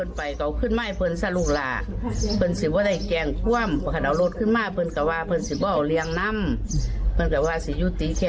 น้องเออยู่ที่ไหนคะเดือดร้อนเลยนะคะ